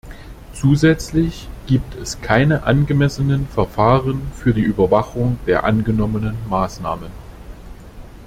Zusätzlich gibt es keine angemessenen Verfahren für die Überwachung der angenommenen Maßnahmen.